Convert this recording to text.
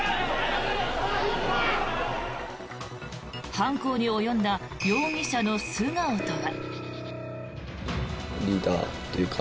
犯行に及んだ容疑者の素顔とは。